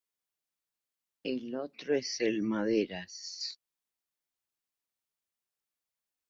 El otro es el Maderas.